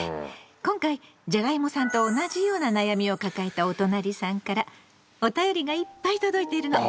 今回じゃがいもさんと同じような悩みを抱えたおとなりさんからおたよりがいっぱい届いてるの。